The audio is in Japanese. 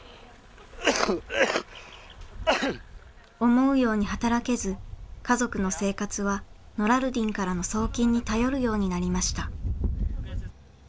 思うように働けず家族の生活はノラルディンからの送金に頼るようになりました。